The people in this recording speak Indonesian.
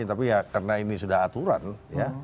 tapi ya karena ini sudah aturan ya